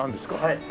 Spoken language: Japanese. はい。